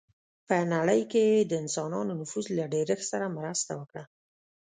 په نړۍ کې یې د انسانانو نفوس له ډېرښت سره مرسته وکړه.